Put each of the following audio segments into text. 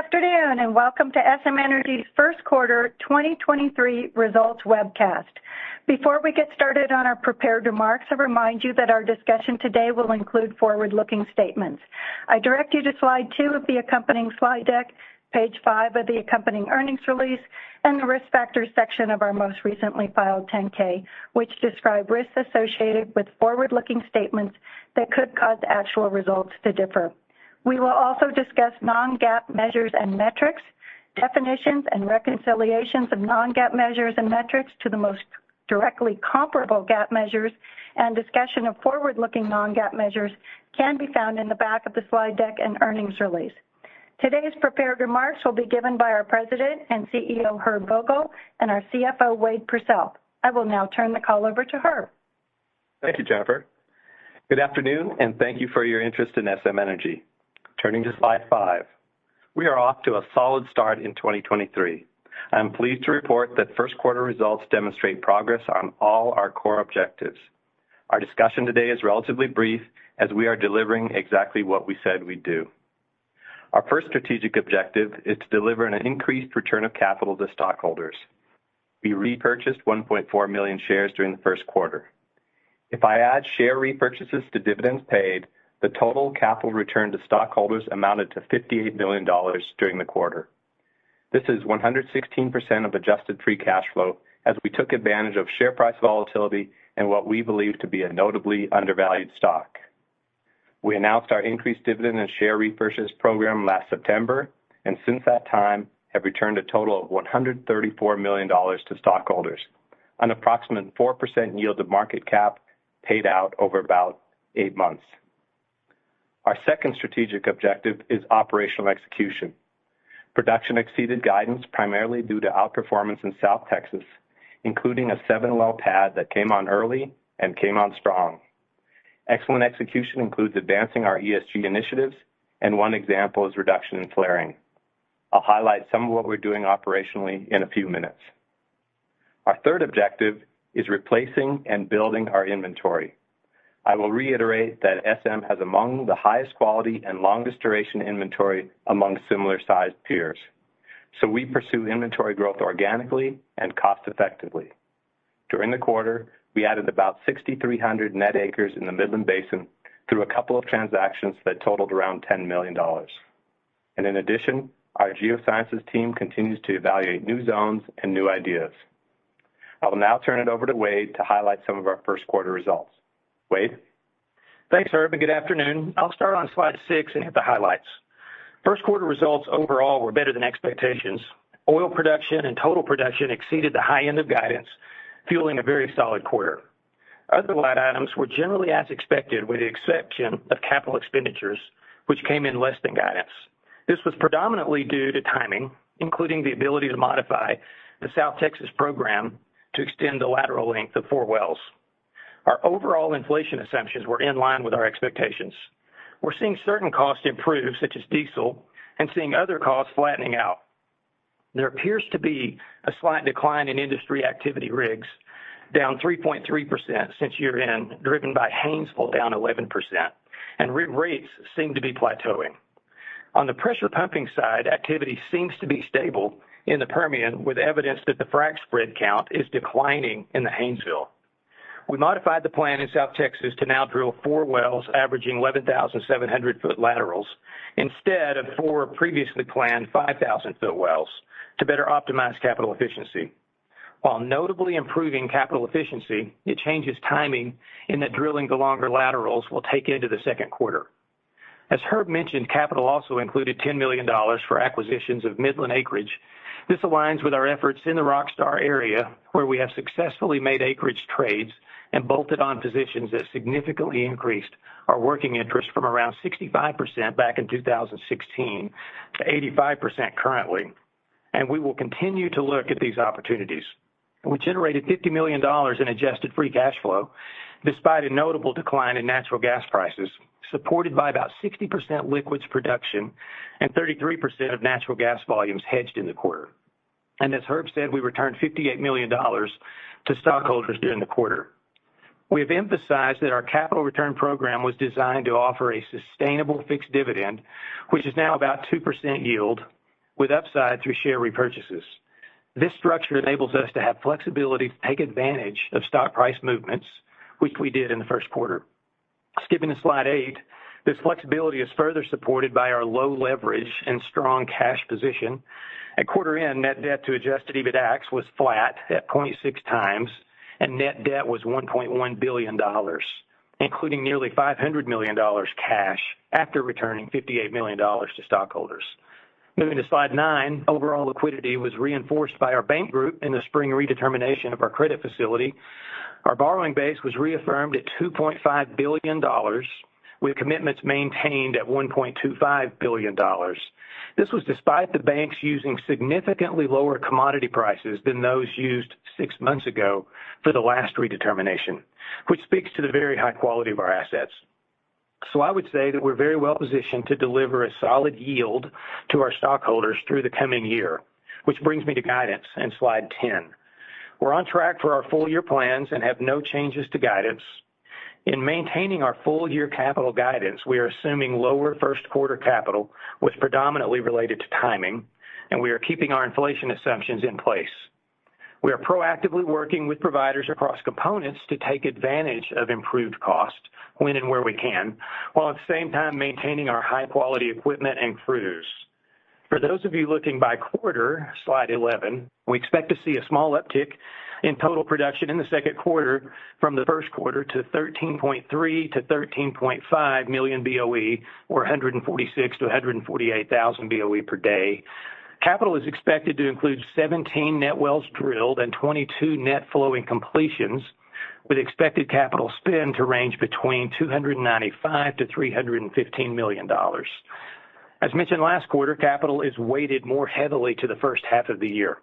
Good afternoon, and welcome to SM Energy's first quarter 2023 results webcast. Before we get started on our prepared remarks, I remind you that our discussion today will include forward-looking statements. I direct you to slide 2 of the accompanying slide deck, page 5 of the accompanying earnings release, and the Risk Factors section of our most recently filed 10-K, which describe risks associated with forward-looking statements that could cause actual results to differ. We will also discuss non-GAAP measures and metrics. Definitions and reconciliations of non-GAAP measures and metrics to the most directly comparable GAAP measures and discussion of forward-looking non-GAAP measures can be found in the back of the slide deck and earnings release. Today's prepared remarks will be given by our President and CEO, Herb Vogel, and our CFO, Wade Pursell. I will now turn the call over to Herb. Thank you, Jennifer. Good afternoon, thank you for your interest in SM Energy. Turning to slide 5. We are off to a solid start in 2023. I am pleased to report that first quarter results demonstrate progress on all our core objectives. Our discussion today is relatively brief, as we are delivering exactly what we said we'd do. Our first strategic objective is to deliver an increased return of capital to stockholders. We repurchased 1.4 million shares during the first quarter. If I add share repurchases to dividends paid, the total capital return to stockholders amounted to $58 million during the quarter. This is 116% of adjusted free cash flow, as we took advantage of share price volatility and what we believe to be a notably undervalued stock. We announced our increased dividend and share repurchase program last September. Since that time have returned a total of $134 million to stockholders, an approximate 4% yield of market cap paid out over about eight months. Our second strategic objective is operational execution. Production exceeded guidance primarily due to outperformance in South Texas, including a seven-well pad that came on early and came on strong. Excellent execution includes advancing our ESG initiatives. One example is reduction in flaring. I'll highlight some of what we're doing operationally in a few minutes. Our third objective is replacing and building our inventory. I will reiterate that SM has among the highest quality and longest duration inventory among similar-sized peers. We pursue inventory growth organically and cost-effectively. During the quarter, we added about 6,300 net acres in the Midland Basin through a couple of transactions that totaled around $10 million. In addition, our geosciences team continues to evaluate new zones and new ideas. I will now turn it over to Wade to highlight some of our first quarter results. Wade? Thanks, Herb. Good afternoon. I'll start on slide 6 and hit the highlights. First quarter results overall were better than expectations. Oil production and total production exceeded the high end of guidance, fueling a very solid quarter. Other line items were generally as expected with the exception of capital expenditures, which came in less than guidance. This was predominantly due to timing, including the ability to modify the South Texas program to extend the lateral length of 4 wells. Our overall inflation assumptions were in line with our expectations. We're seeing certain costs improve, such as diesel, and seeing other costs flattening out. There appears to be a slight decline in industry activity rigs, down 3.3% since year-end, driven by Haynesville down 11%, and rig rates seem to be plateauing. On the pressure pumping side, activity seems to be stable in the Permian, with evidence that the frac spread count is declining in the Haynesville. We modified the plan in South Texas to now drill four wells averaging 11,700 foot laterals instead of four previously planned 5,000 foot wells to better optimize capital efficiency. Notably improving capital efficiency, it changes timing in that drilling the longer laterals will take into the second quarter. As Herb mentioned, capital also included $10 million for acquisitions of Midland acreage. This aligns with our efforts in the RockStar area, where we have successfully made acreage trades and bolted on positions that significantly increased our working interest from around 65% back in 2016 to 85% currently. We will continue to look at these opportunities. We generated $50 million in adjusted free cash flow, despite a notable decline in natural gas prices, supported by about 60% liquids production and 33% of natural gas volumes hedged in the quarter. As Herb said, we returned $58 million to stockholders during the quarter. We have emphasized that our capital return program was designed to offer a sustainable fixed dividend, which is now about 2% yield, with upside through share repurchases. This structure enables us to have flexibility to take advantage of stock price movements, which we did in the first quarter. Skipping to slide 8. This flexibility is further supported by our low leverage and strong cash position. At quarter end, net debt to adjusted EBITDAX was flat at 0.6 times. Net debt was $1.1 billion, including nearly $500 million cash after returning $58 million to stockholders. Moving to slide nine. Overall liquidity was reinforced by our bank group in the spring redetermination of our credit facility. Our borrowing base was reaffirmed at $2.5 billion, with commitments maintained at $1.25 billion. This was despite the banks using significantly lower commodity prices than those used six months ago for the last redetermination, which speaks to the very high quality of our assets. I would say that we're very well positioned to deliver a solid yield to our stockholders through the coming year, which brings me to guidance in slide 10. We're on track for our full year plans and have no changes to guidance. In maintaining our full-year capital guidance, we are assuming lower first quarter capital was predominantly related to timing, and we are keeping our inflation assumptions in place. We are proactively working with providers across components to take advantage of improved costs when and where we can, while at the same time maintaining our high-quality equipment and crews. For those of you looking by quarter, Slide 11, we expect to see a small uptick in total production in the second quarter from the first quarter to 13.3 million-13.5 million BOE or 146,000-148,000 BOE per day. Capital is expected to include 17 net wells drilled and 22 net flowing completions with expected capital spend to range between $295 million-$315 million. Mentioned last quarter, capital is weighted more heavily to the first half of the year.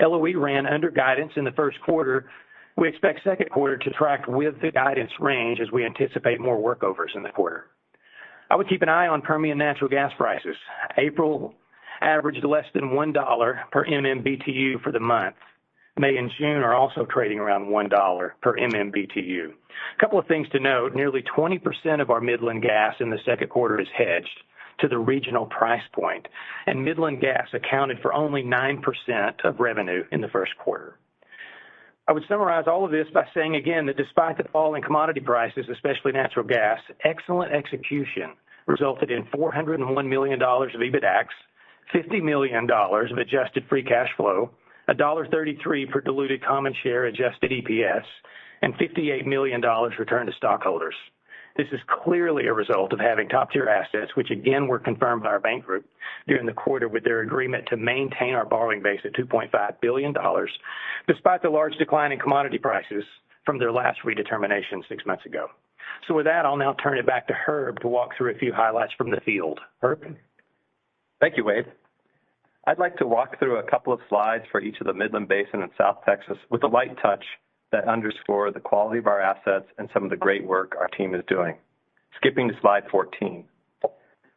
LOE ran under guidance in the first quarter. We expect second quarter to track with the guidance range as we anticipate more workovers in the quarter. I would keep an eye on Permian natural gas prices. April averaged less than $1 per MMBtu for the month. May and June are also trading around $1 per MMBtu. A couple of things to note, nearly 20% of our Midland gas in the second quarter is hedged to the regional price point. Midland gas accounted for only 9% of revenue in the first quarter. I would summarize all of this by saying again that despite the fall in commodity prices, especially natural gas, excellent execution resulted in $401 million of EBITDAX, $50 million of adjusted free cash flow, $1.33 per diluted common share adjusted EPS, and $58 million return to stockholders. This is clearly a result of having top-tier assets, which again were confirmed by our bank group during the quarter with their agreement to maintain our borrowing base at $2.5 billion despite the large decline in commodity prices from their last redetermination six months ago. With that, I'll now turn it back to Herb to walk through a few highlights from the field. Herb? Thank you, Wade. I'd like to walk through a couple of slides for each of the Midland Basin in South Texas with a light touch that underscore the quality of our assets and some of the great work our team is doing. Skipping to slide 14.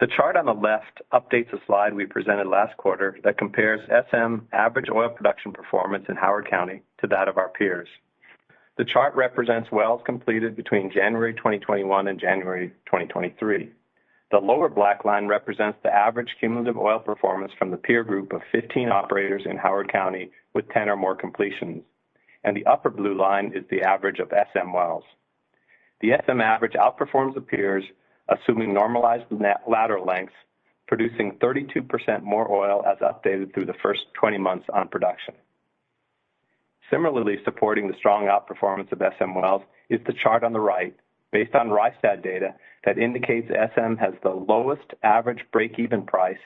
The chart on the left updates a slide we presented last quarter that compares SM average oil production performance in Howard County to that of our peers. The chart represents wells completed between January 2021 and January 2023. The lower black line represents the average cumulative oil performance from the peer group of 15 operators in Howard County with 10 or more completions, and the upper blue line is the average of SM wells. The SM average outperforms the peers, assuming normalized net lateral lengths, producing 32% more oil as updated through the first 20 months on production. Similarly, supporting the strong outperformance of SM wells is the chart on the right based on Rystad data that indicates SM has the lowest average break-even price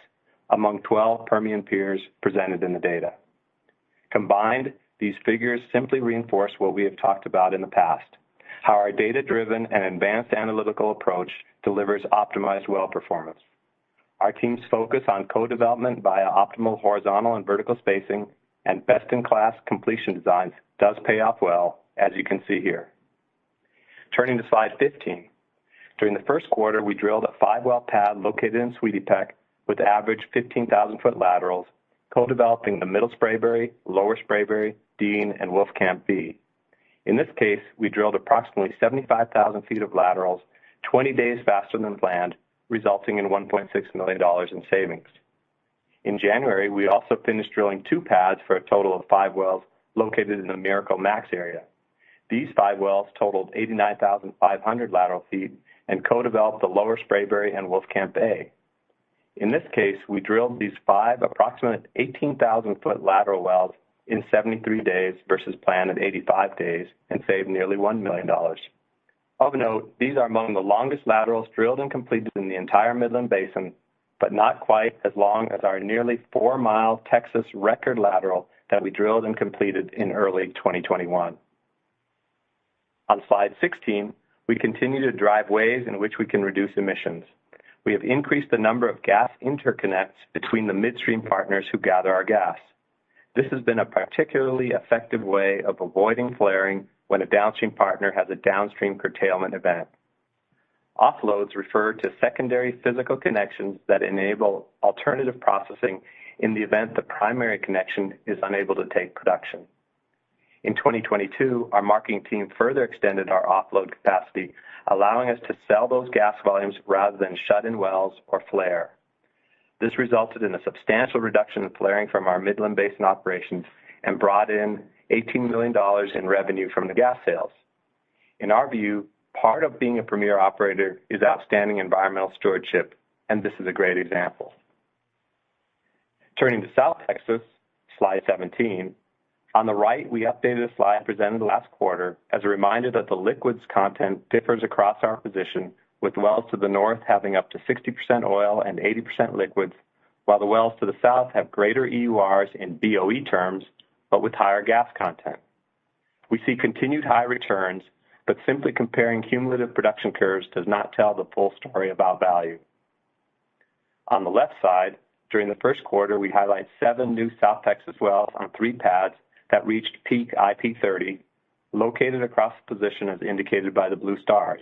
among 12 Permian peers presented in the data. Combined, these figures simply reinforce what we have talked about in the past, how our data-driven and advanced analytical approach delivers optimized well performance. Our team's focus on co-development via optimal horizontal and vertical spacing and best-in-class completion designs does pay off well, as you can see here. Turning to slide 15. During the first quarter, we drilled a 5-well pad located in Sweetie Peck with average 15,000-foot laterals, co-developing the Middle Spraberry, Lower Spraberry, Dean, and Wolfcamp B. In this case, we drilled approximately 75,000 feet of laterals, 20 days faster than planned, resulting in $1.6 million in savings. In January, we also finished drilling 2 pads for a total of 5 wells located in the Miracle Max area. These 5 wells totaled 89,500 lateral feet and co-developed the Lower Spraberry and Wolfcamp A. In this case, we drilled these 5 approximate 18,000-foot lateral wells in 73 days versus planned at 85 days and saved nearly $1 million. Of note, these are among the longest laterals drilled and completed in the entire Midland Basin, but not quite as long as our nearly 4-mile Texas record lateral that we drilled and completed in early 2021. On slide 16, we continue to drive ways in which we can reduce emissions. We have increased the number of gas interconnects between the midstream partners who gather our gas. This has been a particularly effective way of avoiding flaring when a downstream partner has a downstream curtailment event. Offloads refer to secondary physical connections that enable alternative processing in the event the primary connection is unable to take production. In 2022, our marketing team further extended our offload capacity, allowing us to sell those gas volumes rather than shut in wells or flare. This resulted in a substantial reduction of flaring from our Midland Basin operations and brought in $18 million in revenue from the gas sales. In our view, part of being a premier operator is outstanding environmental stewardship, and this is a great example. Turning to South Texas, slide 17. On the right, we updated a slide presented last quarter as a reminder that the liquids content differs across our position, with wells to the north having up to 60% oil and 80% liquids, while the wells to the south have greater EURs in BOE terms, but with higher gas content. We see continued high returns, but simply comparing cumulative production curves does not tell the full story about value. On the left side, during the first quarter, we highlight 7 new South Texas wells on 3 pads that reached peak IP30 located across the position as indicated by the blue stars.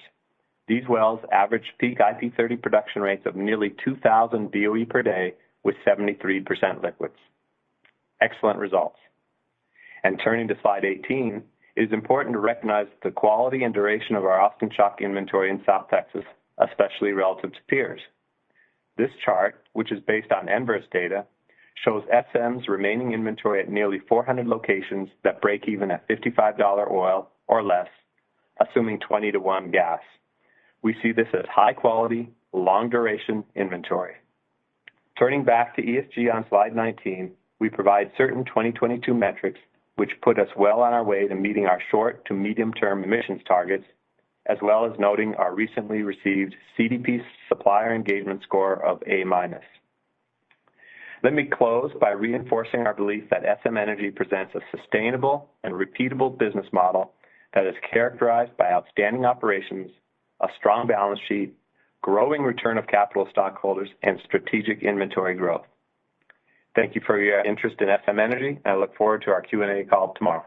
These wells average peak IP30 production rates of nearly 2,000 BOE per day with 73% liquids. Excellent results. Turning to slide 18, it is important to recognize the quality and duration of our Austin Chalk inventory in South Texas, especially relative to peers. This chart, which is based on Enverus data, shows SM's remaining inventory at nearly 400 locations that break even at $55 oil or less, assuming 20 to 1 gas. We see this as high quality, long-duration inventory. Turning back to ESG on slide 19, we provide certain 2022 metrics which put us well on our way to meeting our short to medium-term emissions targets, as well as noting our recently received CDP supplier engagement score of A minus. Let me close by reinforcing our belief that SM Energy presents a sustainable and repeatable business model that is characterized by outstanding operations, a strong balance sheet, growing return of capital stockholders, and strategic inventory growth. Thank you for your interest in SM Energy. I look forward to our Q&A call tomorrow.